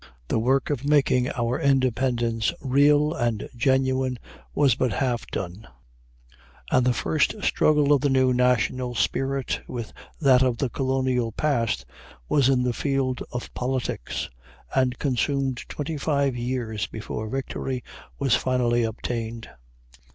The work of making our independence real and genuine was but half done, and the first struggle of the new national spirit with that of the colonial past was in the field of politics, and consumed twenty five years before victory was finally obtained.